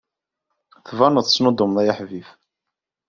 Tbaneḍ-d telliḍ tettnuddumeḍ.